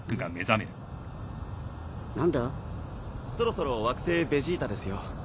そろそろ惑星ベジータですよ。